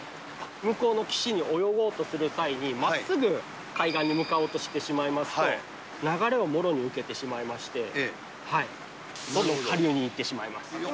向こうの岸に泳ごうとする際に、まっすぐ対岸に向かおうとしてしまいますと、流れをもろに受けてしまいまして、流されていってしまいますね。